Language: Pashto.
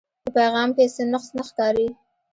پۀ پېغام کښې څۀ نقص نۀ ښکاري